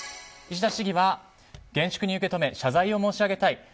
石田市議は厳粛に受け止め謝罪を申し上げたい。